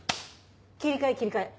切り替え切り替え。